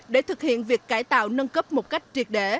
để thực hiện việc cải tạo nâng cấp một cách triệt để